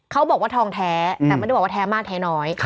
เขาบอกว่าทองแท้แต่ไม่ได้บอกว่าแท้มากแท้น้อย